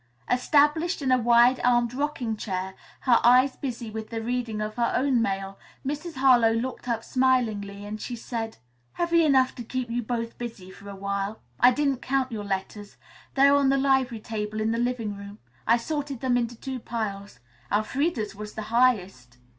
Established in a wide armed rocking chair, her eyes busy with the reading of her own mail, Mrs. Harlowe looked up smilingly as she said, "Heavy enough to keep you both busy for a while. I didn't count your letters. They are on the library table in the living room. I sorted them into two piles. Elfreda's was the highest."